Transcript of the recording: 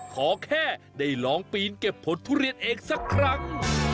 ขอแค่ได้ลองปีนเก็บผลทุเรียนเองสักครั้ง